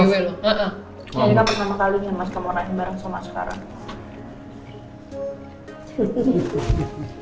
ya juga pertama kalinya mas kamu orangnya bareng sama sekarang